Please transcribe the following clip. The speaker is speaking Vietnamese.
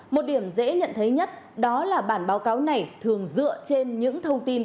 một điểm dễ nhận thấy nhất đó là bản báo cáo này thường dựa trên những thông tin